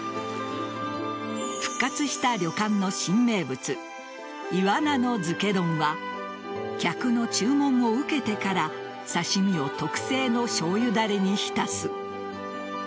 復活した旅館の新名物イワナの漬け丼は客の注文を受けてから刺し身を特製のしょうゆダレに浸す。